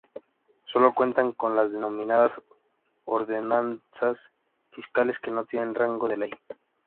Solo cuentan con las denominadas ordenanzas fiscales, que no tienen rango de ley.